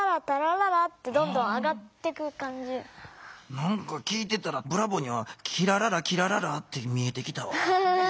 なんか聞いてたらブラボーには「キラララキラララ」って見えてきたわ。